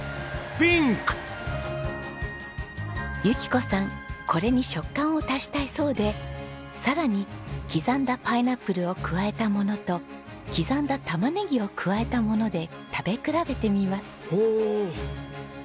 由紀子さんこれに食感を足したいそうでさらに刻んだパイナップルを加えたものと刻んだ玉ねぎを加えたもので食べ比べてみます。